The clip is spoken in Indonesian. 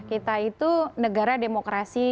kita itu negara demokrasi